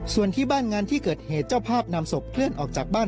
ส่วนที่บ้านงานที่เกิดเหตุเจ้าภาพนำศพเคลื่อนออกจากบ้าน